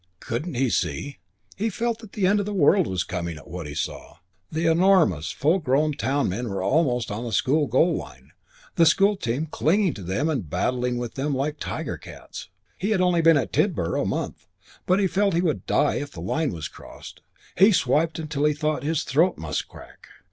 Couldn't he see! He felt that the end of the world was coming at what he saw. The enormous, full grown town men were almost on the school goal line; the school team clinging to them and battling with them like tiger cats. He had only been at Tidborough a month, but he felt he would die if the line was crossed. He swiped till he thought his throat must crack.